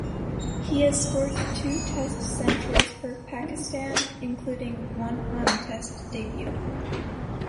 He has scored two Test centuries for Pakistan including one on Test debut.